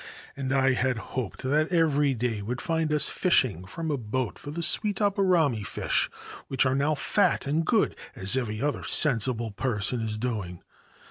And I had hoped that every day would find us fishing from a boat for the sweet aburamme fish, which are now fat and good, as every other sensible person is doing.